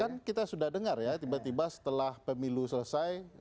kan kita sudah dengar ya tiba tiba setelah pemilu selesai